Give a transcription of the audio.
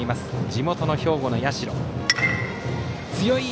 地元の兵庫の社。